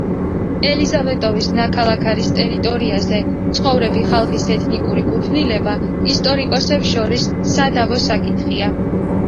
ელიზავეტოვის ნაქალაქარის ტერიტორიაზე მცხოვრები ხალხის ეთნიკური კუთვნილება ისტორიკოსებს შორის სადავო საკითხია.